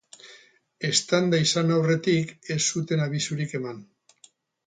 Eztanda izan aurretik ez zuten abisurik eman.